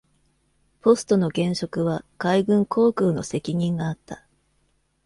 ポストの現職は海軍航空の責任があった。